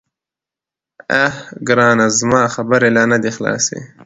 _اه ګرانه، زما خبرې لا نه دې خلاصي.